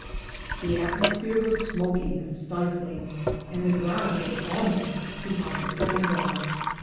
The atmosphere was smoky and stifling, and the ground was almost A CITY BURNED 329 too hot to stand on.